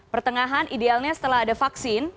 pertengahan idealnya setelah ada vaksin